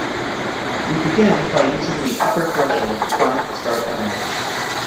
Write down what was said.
We begin by using the upper threshold to find the start of an edge.